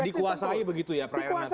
dikuasai begitu ya pra enatunanya